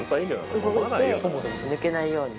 そもそも抜けないように？